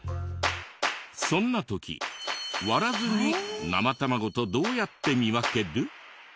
そんな時割らずに生卵とどうやって見分ける？